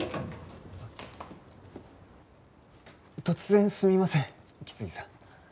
突然すみません木次さん。